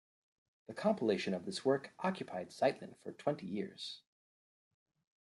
The compilation of this work occupied Zeitlin for twenty years.